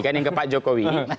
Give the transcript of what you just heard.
kan yang ke pak jokowi